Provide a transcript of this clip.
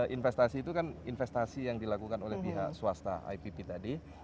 investasi itu kan investasi yang dilakukan oleh pihak swasta ipp tadi